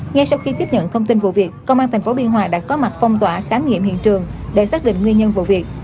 ngay sau khi tiếp nhận thông tin vụ việc công an tp biên hòa đã có mặt phong tỏa khám nghiệm hiện trường để xác định nguyên nhân vụ việc